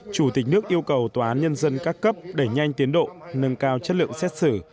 chủ tịch nước yêu cầu tòa án nhân dân các cấp đẩy nhanh tiến độ nâng cao chất lượng xét xử